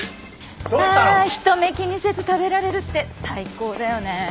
あ人目気にせず食べられるって最高だよねぇ。